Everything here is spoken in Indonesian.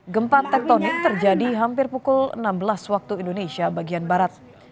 gempa tektonik terjadi hampir pukul enam belas waktu indonesia bagian barat